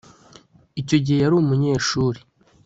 icyo gihe yari umunyeshuri